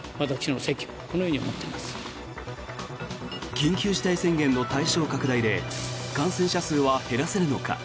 緊急事態宣言の対象拡大で感染者数は減らせるのか。